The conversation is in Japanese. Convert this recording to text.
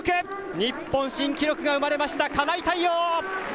日本新記録が生まれました、金井大旺。